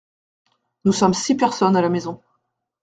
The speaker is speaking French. Nous sommes six personnes à la maison.